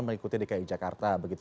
mengikuti dki jakarta begitu